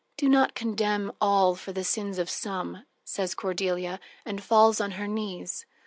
"Do not condemn all for the sins of some," says Cordelia, and falls on her knees.